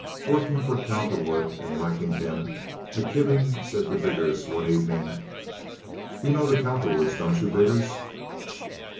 Working for Cowperwood, and liking him, McKibben said to Biggers one evening: "You know the Cowperwoods, don't you, Biggers?"